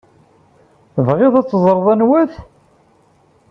Tebɣiḍ ad teẓreḍ anwa-t?